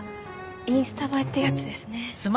インスタ映えってやつですね。